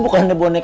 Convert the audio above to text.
malah dok balik